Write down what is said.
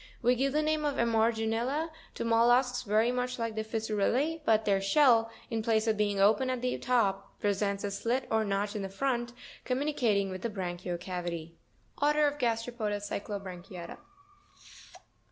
We give the name of Emarginula to mollusks very much like the Fissurelle, but their shell, in place of being open at the top, presents a slit or notch in front, communicating with the branchial cavity. ORDER OF GASTEROPODA CYCLOBRANCHIATA.